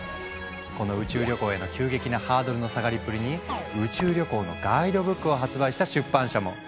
この宇宙旅行への急激なハードルの下がりっぷりに宇宙旅行のガイドブックを発売した出版社も！